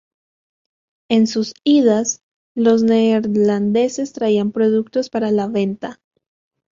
En sus idas, los neerlandeses traían productos para la venta.